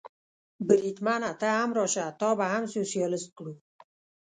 بریدمنه، ته هم راشه، تا به هم سوسیالیست کړو.